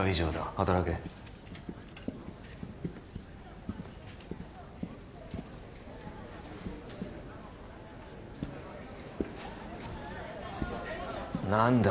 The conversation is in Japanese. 働け何だ